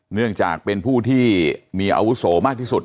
เนื่องจากเป็นผู้ที่มีอาวุโสมากที่สุด